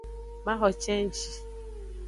Maxo cenji.